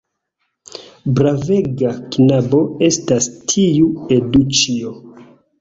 Bravega knabo estas tiu Eduĉjo!